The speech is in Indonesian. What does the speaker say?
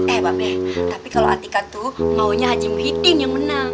eh pak yah tapi kalau atika tuh maunya haji muhyiddin yang menang